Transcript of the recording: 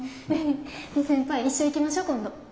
ねえ先輩一緒に行きましょ今度。